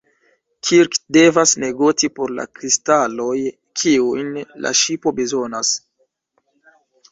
Kirk devas negoci por la kristaloj, kiujn la ŝipo bezonas.